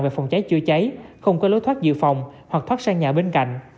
về phòng cháy chưa cháy không có lối thoát giữa phòng hoặc thoát sang nhà bên cạnh